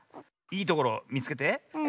いいところみつけて。